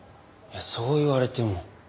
そう言われても。